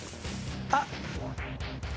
あっ！